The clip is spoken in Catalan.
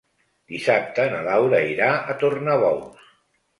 Dissabte na Laura irà a Tornabous.